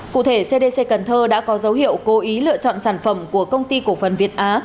cụ thể cdc cần thơ đã có dấu hiệu cố ý lựa chọn sản phẩm của công ty cổ phần việt á